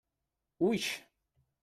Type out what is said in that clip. Uix!